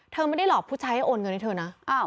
เธอไม่ได้หลอกผู้ชายให้โอนเงินให้เธอนะ